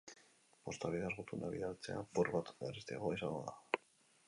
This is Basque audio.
Posta bidez gutunak bidaltzea apur bat garestiagoa izango da.